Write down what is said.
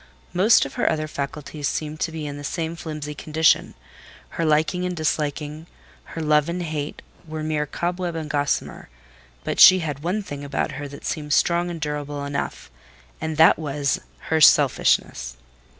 Most of her other faculties seemed to be in the same flimsy condition: her liking and disliking, her love and hate, were mere cobweb and gossamer; but she had one thing about her that seemed strong and durable enough, and that was—her selfishness.